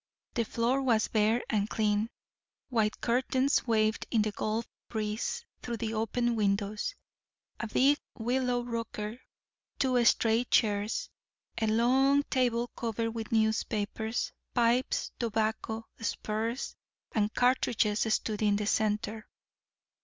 The floor was bare and clean. White curtains waved in the gulf breeze through the open windows. A big willow rocker, two straight chairs, a long table covered with newspapers, pipes, tobacco, spurs, and cartridges stood in the centre.